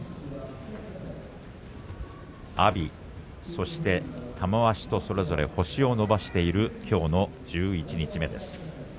阿炎、そして玉鷲とそれぞれ星を伸ばしているきょうの十一日目です。